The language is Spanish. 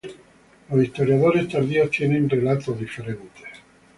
Los historiadores tardíos tienen relatos diferentes.